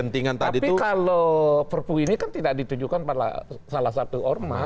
tapi kalau perpu ini kan tidak ditujukan pada salah satu ormas